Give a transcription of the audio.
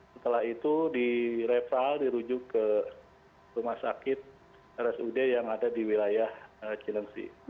setelah itu direval dirujuk ke rumah sakit rsud yang ada di wilayah cilengsi